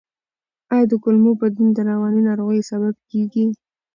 آیا د کولمو بدلون د رواني ناروغیو سبب کیږي؟